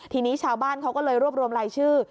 ทีนี้ชาวบ้านเขาก็เลยรวบรวมรายชื่อ